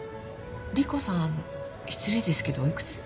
莉湖さん失礼ですけどお幾つ？